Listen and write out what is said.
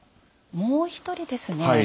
もう一人ですね